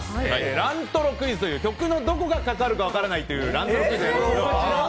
ラントロクイズという曲のどこがかかるか分からないというラントロクイズ。